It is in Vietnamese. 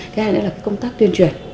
cái hai nữa là cái công tác tuyên truyền